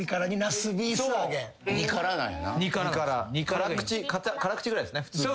辛口ぐらいですね。